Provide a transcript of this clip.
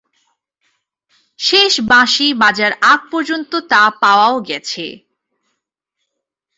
শেষ বাঁশি বাজার আগ পর্যন্ত তা পাওয়াও গেছে।